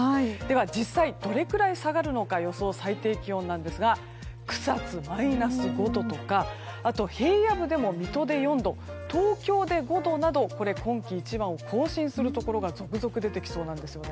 実際、どれくらい下がるのか予想最低気温ですが草津、マイナス５度とかあと、平野部でも水戸で４度東京で５度など今季一番を更新するところが続々、出てきそうなんですよね。